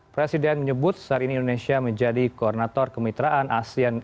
presiden menyebut saat ini indonesia menjadi koordinator kemitraan asean